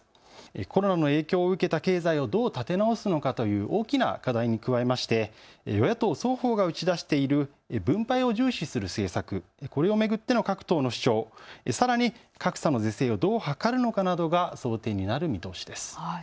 コロナの影響を受けた経済をどう立て直すのかという大きな課題に加えまして与野党双方が打ち出している分配を重視する政策、これを巡っての各党の主張、さらに格差の是正をどう図るのかなどが争点になる見通しです。